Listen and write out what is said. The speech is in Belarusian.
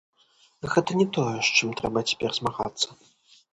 Гэта не тое, з чым трэба цяпер змагацца.